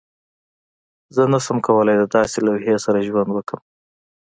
زه نشم کولی د داسې لوحې سره ژوند وکړم